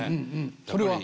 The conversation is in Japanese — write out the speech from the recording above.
それは？